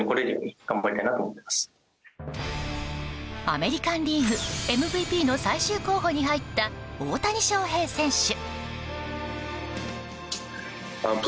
アメリカン・リーグＭＶＰの最終候補に入った大谷翔平選手。